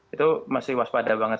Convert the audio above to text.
itu masih waspada banget